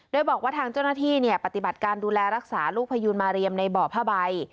โดยบอกว่าทางเจ้าหน้าที่ปฏิบัติการดูแลรักษาลูกพยูนมาเรียมในบ่อผ้าใบ